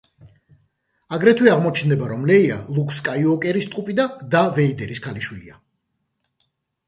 აგრეთვე აღმოჩნდება, რომ ლეია ლუკ სკაიუოკერის ტყუპი და და ვეიდერის ქალიშვილია.